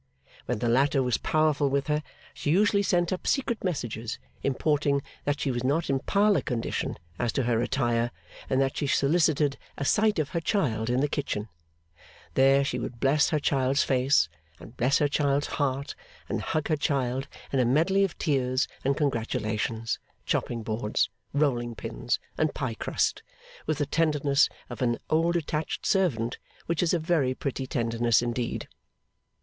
When the latter was powerful with her, she usually sent up secret messages importing that she was not in parlour condition as to her attire, and that she solicited a sight of 'her child' in the kitchen; there, she would bless her child's face, and bless her child's heart, and hug her child, in a medley of tears and congratulations, chopping boards, rolling pins, and pie crust, with the tenderness of an old attached servant, which is a very pretty tenderness indeed.